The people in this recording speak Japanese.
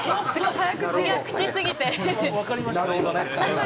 早口すぎて。